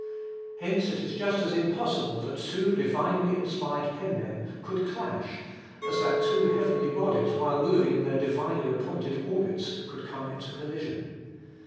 Hence it is just as impossible that two divinely inspired penmen could clash, as that two heavenly bodies, while moving in their divinely appointed orbits, could come into collision.